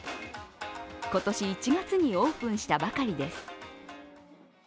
今年１月にオープンしたばかりです